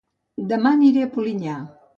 Dema aniré a Polinyà